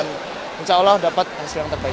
insya allah saya akan mendapatkan hasil yang terbaik